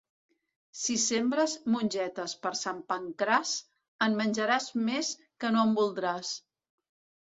Si sembres mongetes per Sant Pancraç, en menjaràs més que no en voldràs.